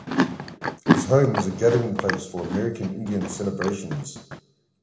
His home is a gathering place for American Indian celebrations.